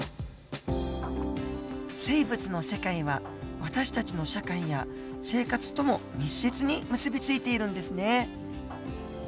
生物の世界は私たちの社会や生活とも密接に結び付いているんですね。